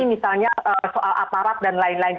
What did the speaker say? misalnya soal aparat dan lain lain